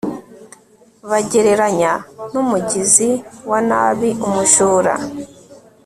bagereranya n'umugizi wa nabi.umujura